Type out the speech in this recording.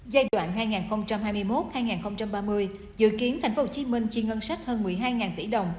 giai đoạn hai nghìn hai mươi một hai nghìn ba mươi dự kiến tp hcm chi ngân sách hơn một mươi hai tỷ đồng